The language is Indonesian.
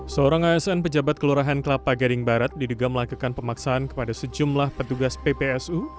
seorang asn pejabat kelurahan kelapa gading barat diduga melakukan pemaksaan kepada sejumlah petugas ppsu